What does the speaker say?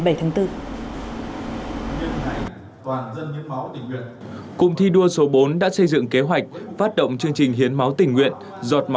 cảnh sát hình sự hơn hai trăm linh cán bộ chiến sĩ thuộc cụm thi đua số bốn khối các đơn vị trực thuộc bộ đã tham gia hiến máu tỉnh nguyện nhân ngày toàn dân hiến máu tỉnh nguyện ngày bảy tháng bốn